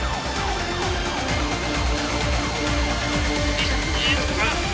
１２３